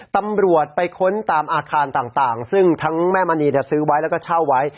ตำรวจไปค้นตามอาคารต่างซึ่งทั้งแม่มณีซื้อไว้แล้วก็เช่าไว้